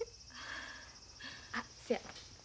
あっせや。